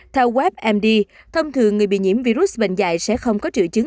theo webmd thông thường người bị nhiễm virus bệnh dạy sẽ không có triệu chứng